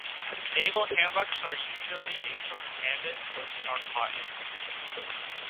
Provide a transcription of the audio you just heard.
Naval hammocks are usually made from canvas or strong cotton.